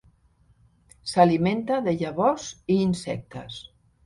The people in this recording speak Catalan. S'alimenta de llavors i insectes.